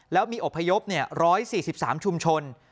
แล้วมีอพยพ๑๔๓ชุมชน